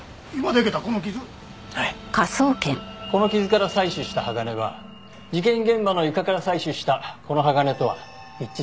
この傷から採取した鋼は事件現場の床から採取したこの鋼とは一致しませんでした。